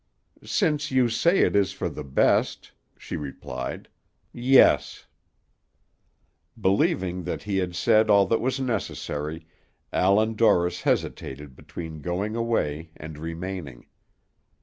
"Since you say it is for the best," she replied, "yes." Believing that he had said all that was necessary, Allan Dorris hesitated between going away and remaining.